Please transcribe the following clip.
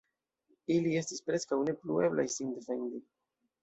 Ili estis preskaŭ ne plu eblaj sin defendi.